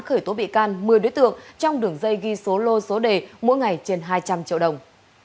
khởi tố bị can một mươi đối tượng trong đường dây ghi số lô số đề mỗi ngày trên hai trăm linh triệu đồng